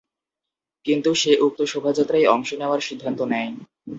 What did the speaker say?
কিন্তু সে উক্ত শোভাযাত্রায় অংশ নেওয়ার সিদ্ধান্ত নেয়।